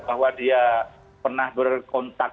bahwa dia pernah berkontak